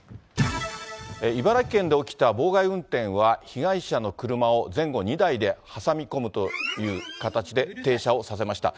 茨城県で起きた妨害運転は、被害者の車を前後２台で挟み込むという形で停車をさせました。